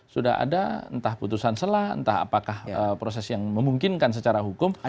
sudah ada entah putusan selah entah apakah proses yang memungkinkan secara hukum